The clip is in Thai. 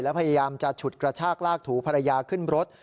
แล้วพยายามจะฉุดกระชากลากถูภรรยาขึ้นรถ